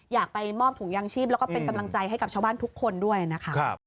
อยากไปมอบถุงยางชีพแล้วก็เป็นกำลังใจให้กับชาวบ้านทุกคนด้วยนะคะ